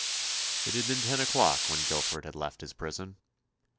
It had been ten o'clock when Guilford had left his prison.